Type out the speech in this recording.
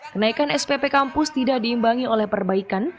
kenaikan spp kampus tidak diimbangi oleh perbaikan